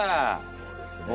そうですね。